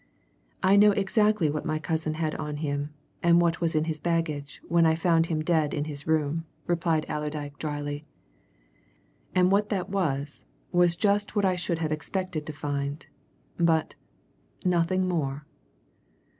"I know exactly what my cousin had on him, and what was in his baggage, when I found him dead in his room," replied Allerdyke drily. "And what that was was just what I should have expected to find. But nothing more."